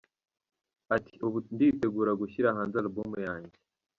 Ati, Ubu ndigutegura gushyira hanze album yanjye.